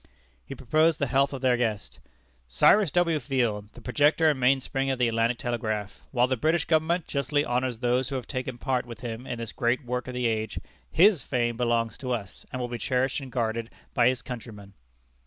He proposed the health of their guest: "Cyrus W. Field, the projector and mainspring of the Atlantic Telegraph: while the British government justly honors those who have taken part with him in this great work of the age, his fame belongs to us, and will be cherished and guarded by his countrymen."